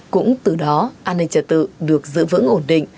cũng từ đó an ninh trật tự được giữ vững ổn định